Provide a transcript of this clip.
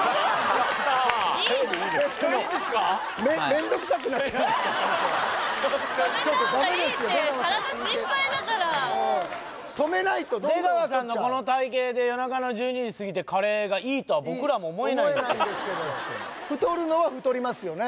出川さん体心配だから止めないとどんどん太っちゃう出川さんのこの体型で夜中の１２時すぎてカレーがいいとは僕らも思えないんです思えないんですけど太るのは太りますよね